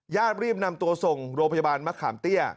ญาติรีบนำตัวส่งโรงพยาบาลมะขามเตี้ย